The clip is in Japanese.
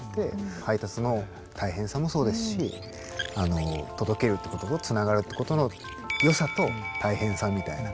配達の大変さもそうですし届けるということと繋がるということの良さと大変さみたいな。